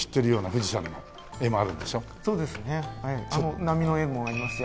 あの波の絵もありますし